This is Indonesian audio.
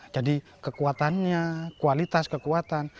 jadi kekuatannya kualitas kekuatan